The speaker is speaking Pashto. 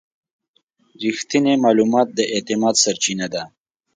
رښتینی معلومات د اعتماد سرچینه ده.